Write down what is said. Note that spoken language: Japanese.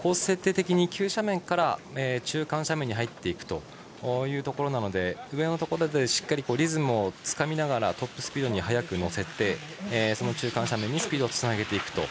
設定的に、急斜面から中間斜面に入っていくところなので上のところでしっかりリズムをつかみながらトップスピードに早く乗せて中斜面にスピードをつなげていく。